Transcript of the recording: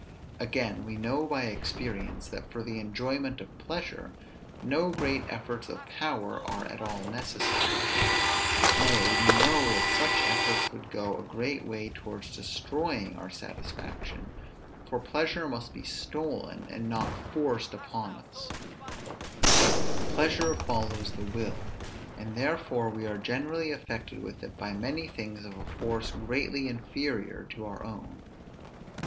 Again, we know by experience, that, for the enjoyment of pleasure, no great efforts of power are at all necessary; nay, we know that such efforts would go a great way towards destroying our satisfaction: for pleasure must be stolen, and not forced upon us; pleasure follows the will; and therefore we are generally affected with it by many things of a force greatly inferior to our own.